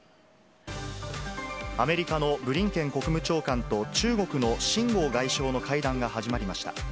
アメリカのブリンケン国務長官と中国の秦剛外相の会談が始まりました。